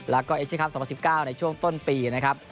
แล้วก็เอเชียครับ๒๐๑๙ในช่วงต้นปีนะครับ